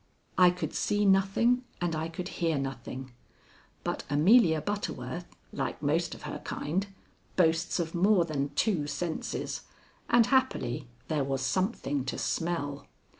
I could see nothing and I could hear nothing; but Amelia Butterworth, like most of her kind, boasts of more than two senses, and happily there was something to smell.